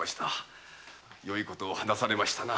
よいことを果たされましたな。